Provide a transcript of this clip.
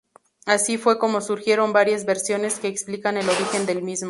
Así fue como surgieron varias versiones que explican el origen del mismo.